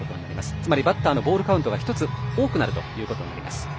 つまりバッターのボールカウントが１つ多くなるということになります。